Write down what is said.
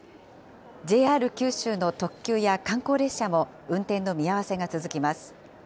ＪＲ九州の特急や観光列車も運転の見合わせが続きます。